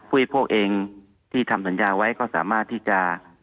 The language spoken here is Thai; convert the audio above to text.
ผู้บริโภคเองที่ทำสัญญาไว้ก็สามารถที่จะ